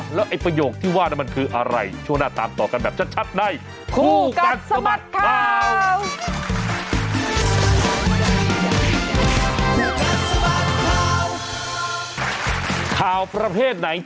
อ่ะแล้วไอประโยคที่ว่านั่นมันคืออะไรช่วงหน้าตามต่อกันแบบชัดใน